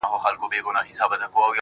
او هغه دا چې مونږ